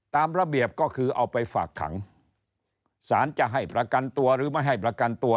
ตามระเบียบก็คือเอาไปฝากขังสารจะให้ประกันตัวหรือไม่ให้ประกันตัว